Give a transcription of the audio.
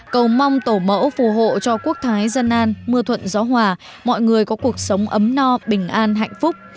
cầu mong tổ mẫu phù hộ cho quốc thái dân an mưa thuận gió hòa mọi người có cuộc sống ấm no bình an hạnh phúc